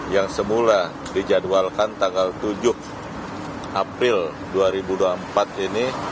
yang semula dijadwalkan tanggal tujuh april dua ribu dua puluh empat ini